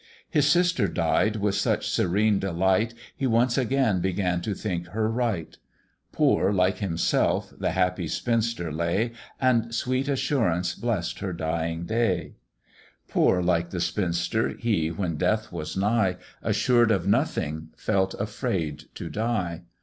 His sister died with such serene delight, He once again began to think her right; Poor like himself, the happy spinster lay, And sweet assurance bless'd her dying day: Poor like the spinster, he, when death was nigh, Assured of nothing, felt afraid to die.